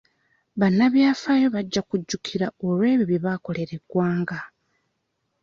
Bannabyafaayo bajja kujjukirwa olw'ebyo bye baakolera eggwanga.